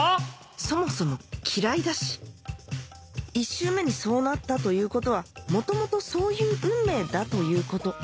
そもそも嫌いだし１周目にそうなったということは元々そういう運命だということ